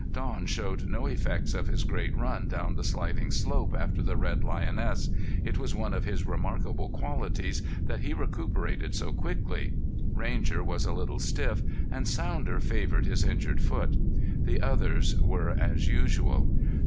Don showed no effects of his great run down the sliding slope after the red lioness; it was one of his remarkable qualities that he recuperated so quickly. Ranger was a little stiff, and Sounder favored his injured foot. The others were as usual.